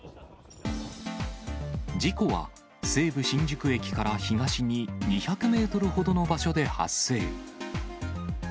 事故は西武新宿駅から東に２００メートルほどの場所で発生。